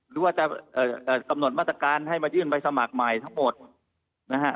หรือว่าจะกำหนดมาตรการให้มายื่นใบสมัครใหม่ทั้งหมดนะฮะ